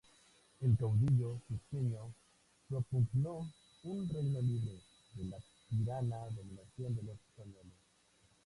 El caudillo cuzqueño propugnó un "reyno libre" de la "tirana dominación" de los españoles.